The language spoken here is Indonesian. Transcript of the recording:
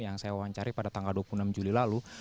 yang saya wawancari pada tanggal dua puluh enam juli lalu